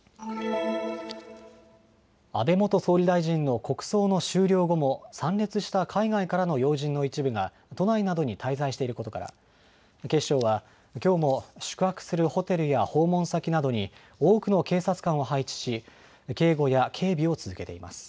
安倍元総理大臣の国葬の終了後も参列した海外からの要人の一部が都内などに滞在していることから警視庁はきょうも宿泊するホテルや訪問先などに多くの警察官を配置し警護や警備を続けています。